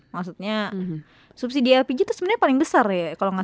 maksudnya subsidi lpg itu sebenarnya